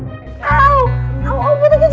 enggak mau enggak mau